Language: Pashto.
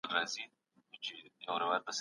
حضوري ټولګي کي بحثونه بې ګډونه نه کيږي.